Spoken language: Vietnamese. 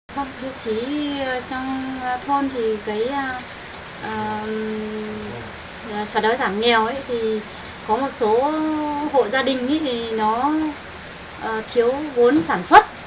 trong tiêu chí trong thôn thì cái xã đói giảm nghèo thì có một số hộ gia đình thì nó thiếu vốn sản xuất